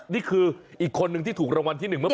นี่คืออีกคนนึงที่ถูกรางวัลที่๑เมื่อ